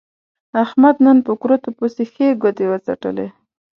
احمد نن په کورتو پسې ښې ګوتې و څټلې.